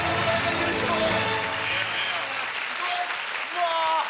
うわ！